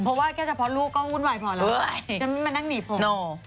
เพราะว่าแค่เฉพาะลูกก็วุ่นวายพอแล้วจะไม่มานั่งหนีผม